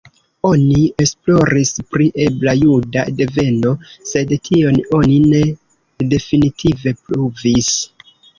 Oni esploris pri ebla juda deveno, sed tion oni ne definitive pruvis.